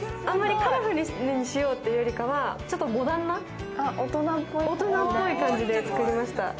あんまりカラフルにしようっていうよりかは、ちょっとモダンな大人っぽい感じで作りました。